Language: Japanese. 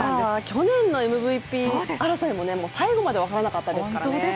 去年のＭＶＰ争いも最後まで分からなかったですからね。